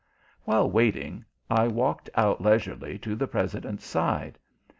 While waiting, I walked out leisurely to the President's side.